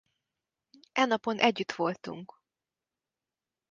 E napon együtt voltunk!...